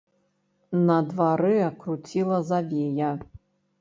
На дварэ круціла завея.